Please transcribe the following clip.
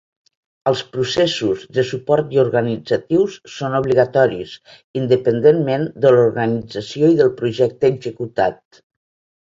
Els processos de suport i organitzatius són obligatoris, independentment de l'organització i del projecte executat.